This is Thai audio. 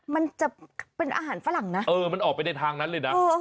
มันจะเป็นอาหารฝรั่งนะเออมันออกไปในทางนั้นเลยนะ